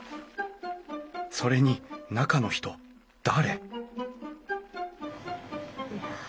それに中の人誰？